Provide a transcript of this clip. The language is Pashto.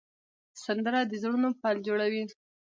سندره د زړونو پل جوړوي